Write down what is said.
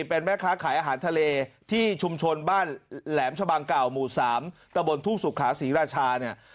เป็นแม่ค้าขายอาหารทะเลที่ชุมชนบ้านแหลมชะบังเก่าหมู่๓ตะบนทุ่งสุขาศรีราชาเนี่ย